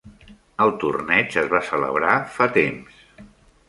El torneig es va celebrar fa temps.